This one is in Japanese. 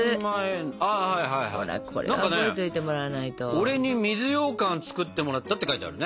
俺に水ようかん作ってもらったって書いてあるね。